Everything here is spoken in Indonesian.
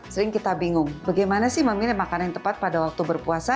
sering kita bingung bagaimana sih memilih makanan yang tepat pada waktu berpuasa